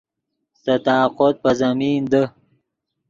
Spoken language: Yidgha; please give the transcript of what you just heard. سے طاقوت پے زمین دے